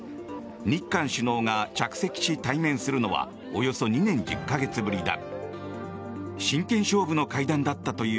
日韓首脳が着席し対面するのはおよそ２年１０か月ぶりだ。